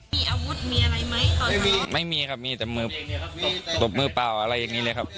มีอาวุธมีอะไรไหมตอนนี้ไม่มีครับมีแต่มือตบมือเปล่าอะไรอย่างนี้เลยครับ